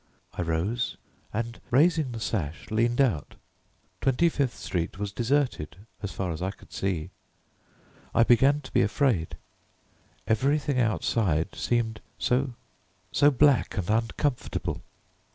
I rose, and raising the sash leaned out. Twenty fifth Street was deserted as far as I could see. I began to be afraid; everything outside seemed so so black and uncomfortable.